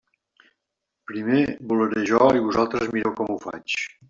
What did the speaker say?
Primer volaré jo i vosaltres mireu com ho faig.